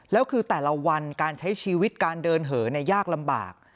แล้วคือแต่ละวันการใช้ชีวิตการเดินเหินยากลำบาก